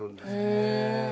へえ！